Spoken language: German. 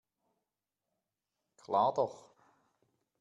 Klar doch.